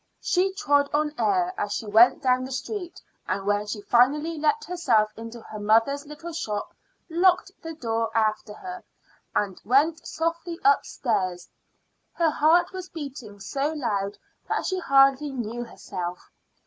She trod on air as she went down the street, and when she finally let herself into her mother's little shop, locked the door after her, and went softly upstairs, her heart was beating so loud that she hardly knew herself.